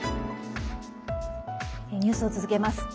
ニュースを続けます。